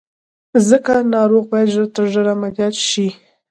ځکه ناروغ بايد ژر تر ژره عمليات شي.